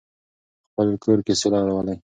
خپل کور کې سوله راولئ.